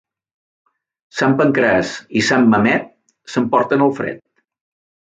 Sant Pancraç i Sant Mamet s'emporten el fred.